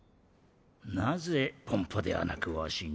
なぜポンポではなくわしに？